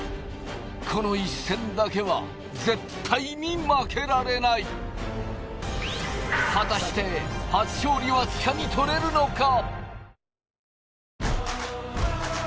この一戦だけは絶対に負けられない果たして初勝利はつかみ取れるのか？